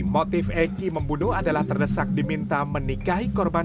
motif eki membunuh adalah terdesak diminta menikahi korban